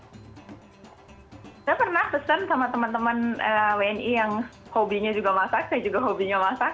saya pernah pesan sama teman teman wni yang hobinya juga masak saya juga hobinya masak